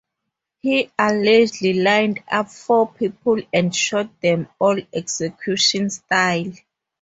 He allegedly lined up four people and shot them all execution style.